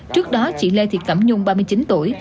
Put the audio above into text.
trước đó chị lê thị cẩm nhung ba mươi chín tuổi